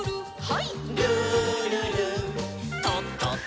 はい。